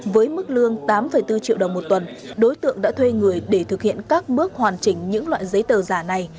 với mức lương tám bốn triệu đồng một tuần đối tượng đã thuê người để thực hiện các bước hoàn chỉnh những loại giấy tờ giả này